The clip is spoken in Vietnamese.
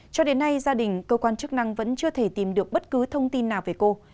cho đến nay gia đình cơ quan chức năng vẫn chưa thể tìm được bất cứ thông tin nào về cô